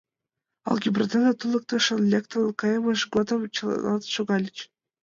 Алгебра дене туныктышын лектын кайымыж годым чыланат шогальыч.